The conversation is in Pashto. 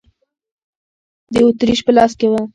د اتریش په لاس کې و.